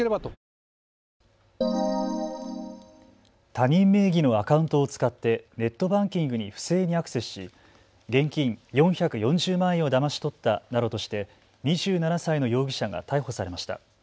他人名義のアカウントを使ってネットバンキングに不正にアクセスし、現金４４０万円をだまし取ったなどとして２７歳の容疑者が逮捕されました。